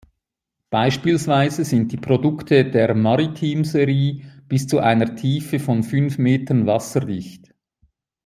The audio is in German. Beispielsweise sind die Produkte der Maritim-Serie bis zu einer Tiefe von fünf Metern wasserdicht.